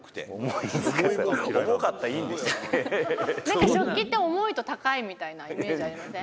「なんか食器って重いと高いみたいなイメージありません？」